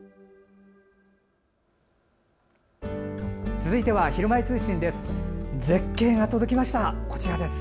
続いては「ひるまえ通信」です。